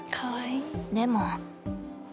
でも。